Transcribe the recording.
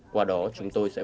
qua đó chúng tôi sẽ phối hợp